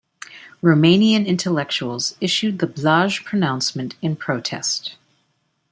Romanian intellectuals issued the Blaj Pronouncement in protest.